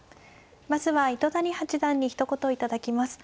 まずは糸谷八段にひと言頂きます。